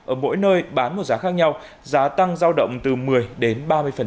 ở mỗi nơi bán một giá khác nhau giá tăng giao động từ một mươi đến ba mươi